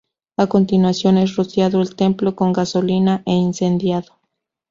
A continuación es rociado el templo con gasolina e incendiado.